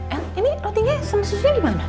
el ini rotinya sendirinya dimana